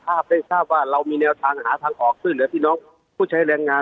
ได้ทราบว่าเรามีแนวทางหาทางออกช่วยเหลือพี่น้องผู้ใช้แรงงาน